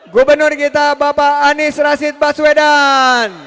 gubernur kita bapak anies rashid baswedan